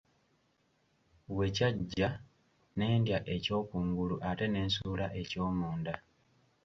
Bwe kyaggya, ne ndya eky’okungulu ate ne nsuula eky’omunda.